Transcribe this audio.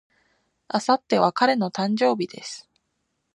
明後日は彼の誕生日です。